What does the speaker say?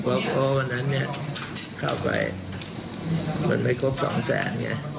เพราะว่าวันนั้นเข้าไปมันไม่ครบ๒แสน